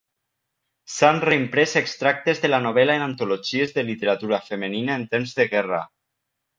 S'han reimprès extractes de la novel·la en antologies de literatura femenina en temps de guerra.